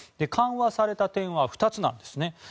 緩和された点は２つなんですね。